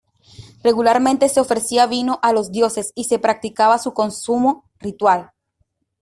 Regularmente se ofrecía vino a los dioses y se practicaba su consumo ritual.